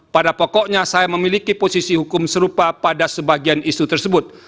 pada pokoknya saya memiliki posisi hukum serupa pada sebagian isu tersebut